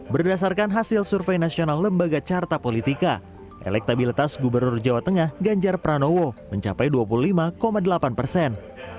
berdasarkan hasil survei nasional lembaga carta politika elektabilitas gubernur jawa tengah ganjar pranowo mencapai dua puluh lima delapan persen